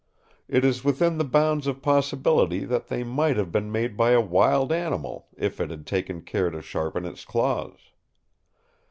It is within the bounds of possibility that they might have been made by a wild animal if it had taken care to sharpen its claws.